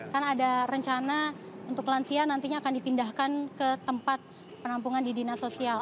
kan ada rencana untuk lansia nantinya akan dipindahkan ke tempat penampungan di dinas sosial